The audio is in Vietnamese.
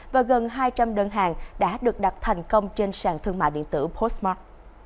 và gần hai trăm linh đơn hàng đã được đặt thành công trên sàn thương mại điện tử postmart